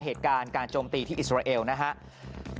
เหตุการณ์การโจมตีที่อิสราเอลนะครับ